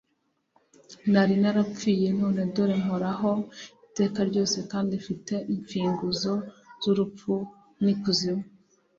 nari narapfirye, none dore mporaho iteka ryose, kandi mfite imfimguzo z'urupfu n'iz'ikuzimu."